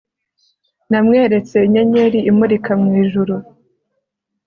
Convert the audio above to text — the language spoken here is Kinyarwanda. namweretse inyenyeri imurika mu ijuru